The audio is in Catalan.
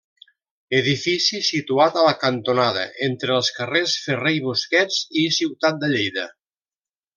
Edifici situat a la cantonada entre els carrers Ferrer i Busquets i Ciutat de Lleida.